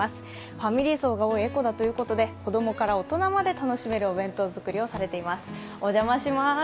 ファミリー層が多い江古田ということで、子供から大人まで楽しめるお弁当作りをされています。